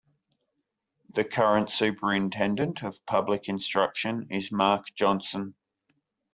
The current Superintendent of Public Instruction is Mark Johnson.